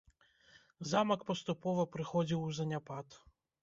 Замак паступова прыходзіў у заняпад.